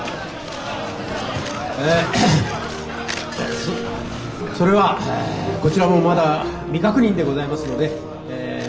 えそれはこちらもまだ未確認でございますのでえ